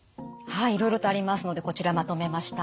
はいいろいろとありますのでこちらまとめました。